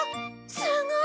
すごい！